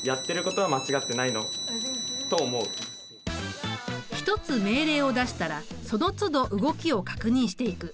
だから１つ命令を出したらそのつど動きを確認していく。